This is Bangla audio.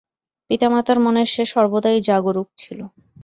পিতামাতার মনে সে সর্বদাই জাগরূক ছিল।